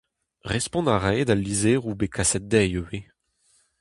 Respont a rae d'al lizheroù bet kaset dezhi ivez.